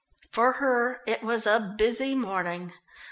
For her it was a busy morning.